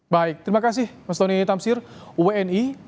baik terima kasih mas tony tamsir wni